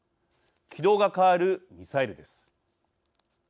軌道が変わるミサイルです。